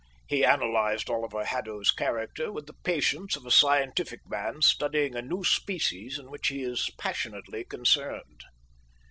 He analysed Oliver Haddo's character with the patience of a scientific man studying a new species in which he is passionately concerned.